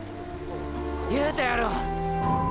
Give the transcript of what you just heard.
言うたやろ。